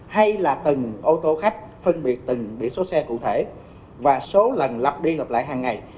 hay là từng ô tô khách phân biệt từng biển số xe cụ thể và số lần lập đi lập lại hàng ngày